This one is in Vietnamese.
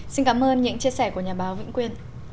xin cảm ơn những chia sẻ của nhà báo vĩnh quyên